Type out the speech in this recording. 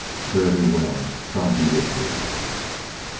"Fare thee well. God be with you!"